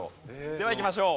ではいきましょう。